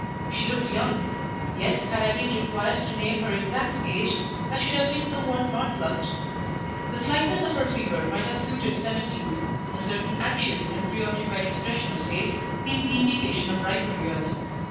She looked young; yet, had I been required to name her exact age, I should have been somewhat nonplussed; the slightness of her figure might have suited seventeen; a certain anxious and pre occupied expression of face seemed the indication of riper years.